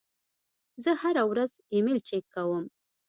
زه هره ورځ ایمیل چک کوم.